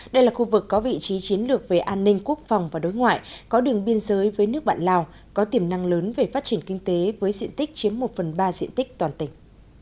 đây là khu vực có vị trí chiến lược về an ninh quốc phòng và đối ngoại có đường biên giới với nước bạn lào có tiềm năng lớn về phát triển kinh tế với diện tích chiếm một phần ba diện tích toàn tỉnh